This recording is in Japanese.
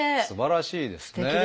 すばらしいですね。